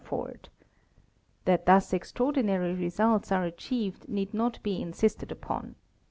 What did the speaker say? afford. That thus extraordinary results are achieved need not be insisté | upon.